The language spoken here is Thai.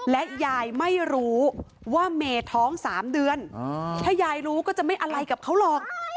และยายไม่รู้ว่าเมย์ท้อง๓เดือนถ้ายายรู้ก็จะไม่อะไรกับเขาหรอก